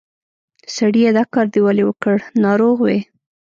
سړیه! دا کار دې ولې وکړ؟ ناروغ وې؟